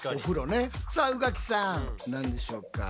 さあ宇垣さん何でしょうか？